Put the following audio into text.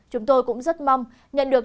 chúng tôi cũng rất mong nhận được